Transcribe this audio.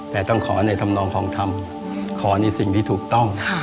แต่ต้องขอในธรรมนองของธรรมขอในสิ่งที่ถูกต้อง